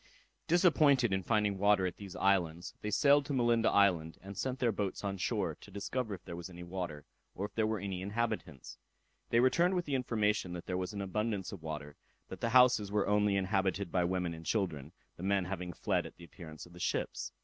Disappointed in finding water at these islands, they sailed to Malinda island, and sent their boats on shore, to discover if there was any water, or if there were any inhabitants.. They returned with the information, that there was abundance of water, that the houses were only inhabited by women and children, the men having fled at the appearance of the ships.